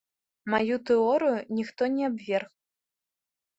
Маю тэорыю ніхто не абверг.